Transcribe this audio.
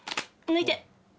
抜いて？